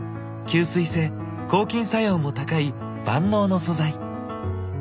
吸水性・抗菌作用も高い万能の素材。